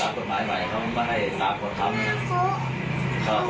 อยากจะชาวต่อสองเพราะว่าคุณด้วยกัน